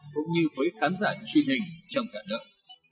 cũng như với khán giả truyền hình trong cả nước